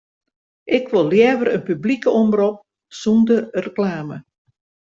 Ik wol leaver in publike omrop sonder reklame.